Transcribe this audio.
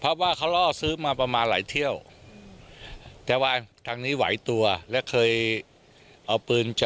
เพราะว่าเขาล่อซื้อมาประมาณหลายเที่ยวแต่ว่าทางนี้ไหวตัวและเคยเอาปืนจะ